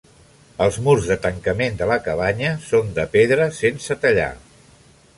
Els murs de tancament de la cabanya són de pedra sense tallar.